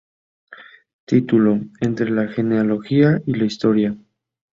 Título: "Entre la genealogía y la historia".